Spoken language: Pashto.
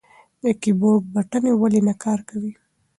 د کیبورډ بټنې ولې نه کار کوي؟